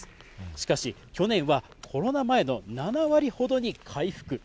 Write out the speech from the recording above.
しかし、去年はコロナ前の７割ほどに回復。